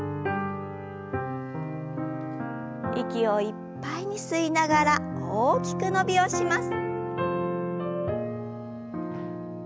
息をいっぱいに吸いながら大きく伸びをします。